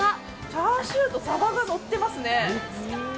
チャーシューとサバが載ってますね。